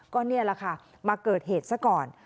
ก็นี่แหละค่ะมาเกิดเหตุซะก่อน